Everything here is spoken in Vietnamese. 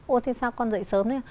ôi thế sao con dậy sớm thế